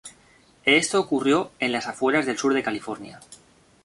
Esto ocurrió en las afueras del sur de California.